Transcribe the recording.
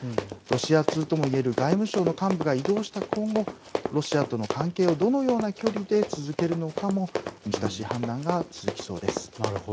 ロシア通ともいえる外務省の幹部が異動した今後ロシアとの関係をどのような距離で続けるのかも難しい判断が続きそうです。